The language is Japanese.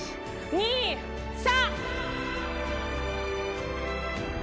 ２・３。